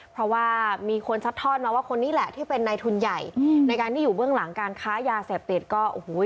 เพราะว่ามีคนซัดทอดมาว่าคนนี้แหละที่เป็นในทุนใหญ่ในการที่อยู่เบื้องหลังการค้ายาเสพติดก็โอ้โห